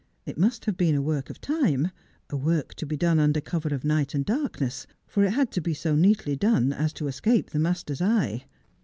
It must have been a work of time ; a work to be done under cover of night and darkness ; for it had to be so neatly done as to escape the master's eye.